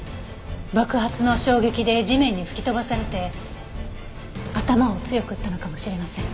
爆発の衝撃で地面に吹き飛ばされて頭を強く打ったのかもしれません。